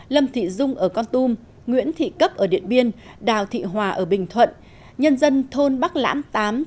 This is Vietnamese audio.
lâm thị dung ở con tum nguyễn thị cấp ở điện biên đào thị hòa ở bình thuận nhân dân thôn bắc lãm tám